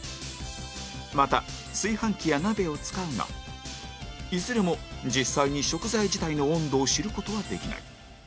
また、炊飯器や鍋を使うがいずれも実際に食材自体の温度を知る事はできない